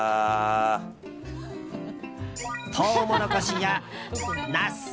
トウモロコシやナス